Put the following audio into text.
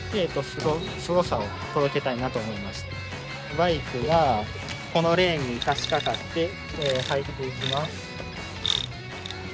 バイクがこのレーンにさしかかって入っていきます。